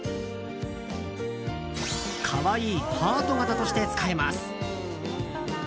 可愛いハート形として使えます。